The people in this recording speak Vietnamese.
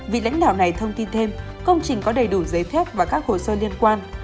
vị lãnh đạo này thông tin thêm công trình có đầy đủ giấy phép và các hồ sơ liên quan